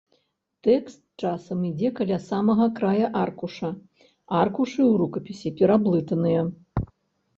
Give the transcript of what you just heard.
Тэкст часам ідзе каля самага края аркуша, аркушы ў рукапісе пераблытаныя.